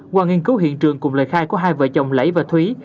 qua nghiên cứu hiện trường cùng lời khai của hai vợ chồng lẫy và thúy